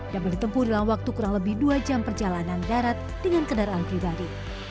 dapat ditempuh dalam waktu kurang lebih dua jam perjalanan darat dengan kendaraan pribadi